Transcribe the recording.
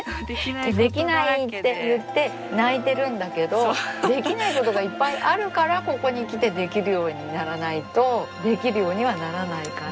できないって言って泣いてるんだけどできないことがいっぱいあるからここに来てできるようにならないとできるようにはならないから。